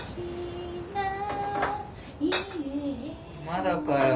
まだかよ？